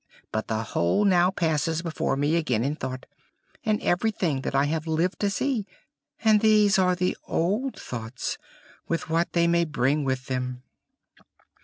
But the whole now passes before me again in thought, and everything that I have lived to see; and these are the old thoughts, with what they may bring with them.